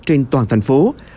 trên toàn thành phố